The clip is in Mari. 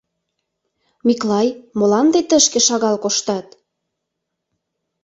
Миклай, молан тый тышке шагал коштат?..